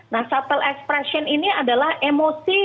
nah shuttle expression ini adalah emosi